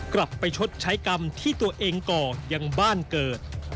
กลับไปชดใช้กรรมที่ตัวเองก่อยังบ้านเกิด